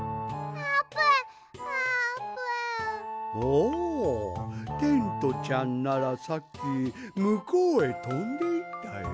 おおテントちゃんならさっきむこうへとんでいったよ。